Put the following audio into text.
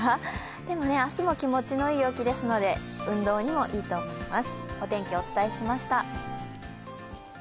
でも明日も気持ちのいい陽気ですので運動にもいいと思います。